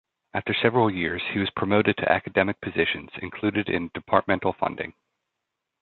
After several years, he was promoted to academic positions included in departmental funding.